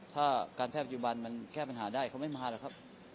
ถ้าการแพทย์ปัจจุบันมันแก้ปัญหาได้เขาไม่มาหรอกครับ